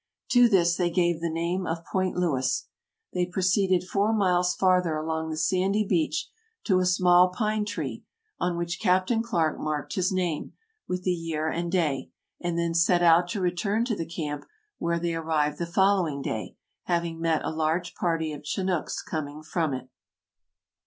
To this they gave the name of Point Lewis. They proceeded four miles farther along the sandy beach to a small pine tree, on which Captain Clarke marked his name, with the year and day, and then set out to return to the camp, where they arrived the following day, having met a large party of Chinnooks coming from it.